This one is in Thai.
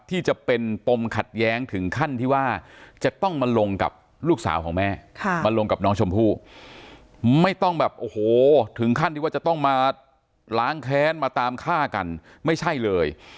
ที่จะเป็นปมขัดแย้งถึงขั้นที่ว่าจะต้องมาลงกับลูกสาวของแม่มาลงกับน้องชมพู่ไม่ต้องแบบโอ้โหถึงขั้นที่ว่าจะต้องมาล้างแค้นมาตามฆ่ากันไม่ใช่เลย